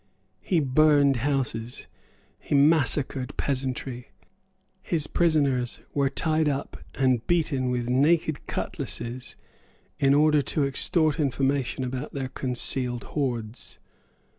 He burned houses; he massacred peasantry. His prisoners were tied up and beaten with naked cutlasses in order to extort information about their concealed hoards.